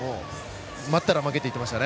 「待ったら負け」といってました。